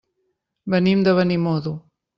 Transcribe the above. Venim de Benimodo.